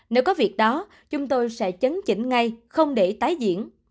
nếu có việc đó chúng tôi sẽ chấn chỉnh ngay không để tái diễn